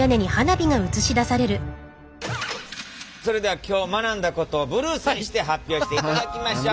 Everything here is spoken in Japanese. それでは今日学んだことをブルースにして発表していただきましょう。